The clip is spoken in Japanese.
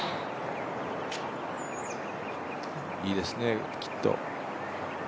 いいですね、きっと。